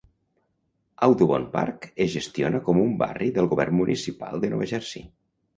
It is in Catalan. Audubon Park es gestiona com un barri del govern municipal de Nova Jersey.